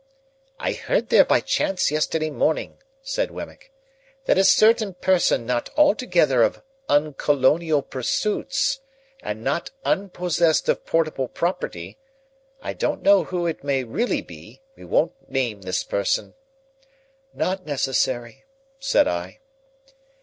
"I heard there by chance, yesterday morning," said Wemmick, "that a certain person not altogether of uncolonial pursuits, and not unpossessed of portable property,—I don't know who it may really be,—we won't name this person—" "Not necessary," said I.